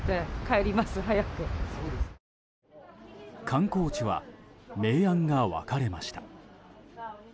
観光地は明暗が分かれました。